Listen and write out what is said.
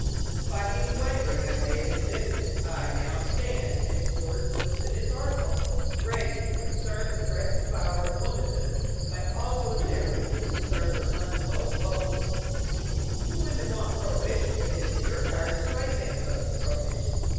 Despite any wavering I may have exhibited, I now stand, as George puts it in his article, 'ready to conserve the threatened flower of womanhood by also endeavoring to conserve her unpolled vote!' If you women want prohibition, it is in your power to sway man's vote to prohibition.